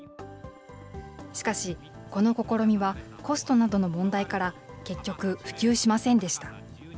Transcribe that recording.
しかし、この試みはコストなどの問題から結局、普及しませんでした。